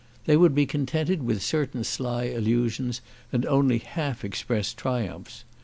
They would be contented with certain sly allusions, and only half expressed triumphs.